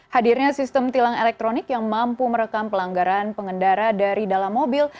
hadirnya sistem tilang elektronik yang mampu merekam pelanggaran pengendara dari dalam mobil